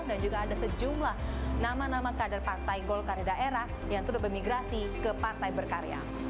dan juga ada sejumlah nama nama kader partai berkarya daerah yang sudah bermigrasi ke partai berkarya